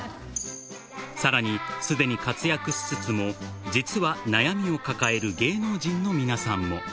さらにすでに活躍しつつも、実は悩みを抱える芸能人の皆さんも。